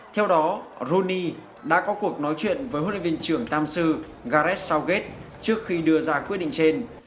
theo đó weiruni đã có cuộc nói chuyện với huấn luyện viên trưởng tham sư gareth southgate trước khi đưa ra quyết định trên